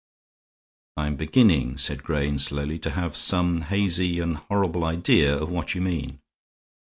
"I am beginning," said Grayne, slowly, "to have some hazy and horrible idea of what you mean."